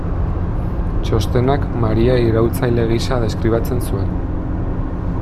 Txostenak Maria iraultzaile gisa deskribatzen zuen.